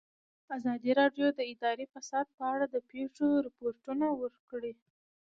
ازادي راډیو د اداري فساد په اړه د پېښو رپوټونه ورکړي.